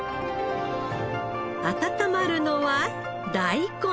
温まるのは大根。